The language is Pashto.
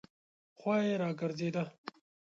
خوا یې راګرځېده.